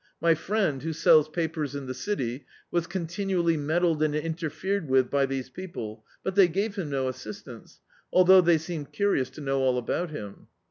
My friend, who sells papers in the city, was continually med dled and interfered with by these people, but they gave him no assistance, although they seemed cu rious to know all about him."